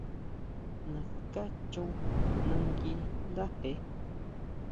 Naská chon nagui ndáje.